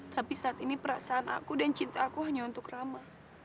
tapi saat ini perasaan aku dan cinta aku hanya untuk rama